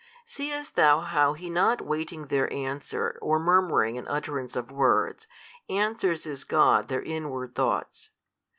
Seest thou how He not waiting their answer or murmuring in utterance of words, answers as God their inward thoughts?